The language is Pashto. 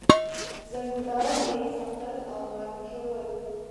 زنګونان نېغ ساتل او ملا کږول